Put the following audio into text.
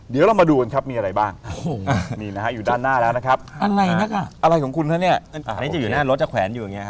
๓เริ่มดันไม่เข้าแล้ว